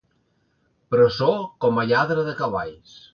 Presó com a lladre de cavalls.